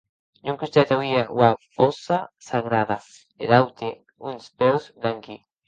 D’un costat auie ua hòssa sagrada; der aute uns peus blanqui.